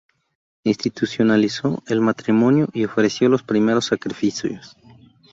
Institucionalizó el matrimonio y ofreció los primeros sacrificios.